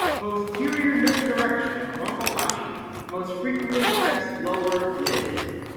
Posterior misdirection of normal lashes most frequently affects lower lid.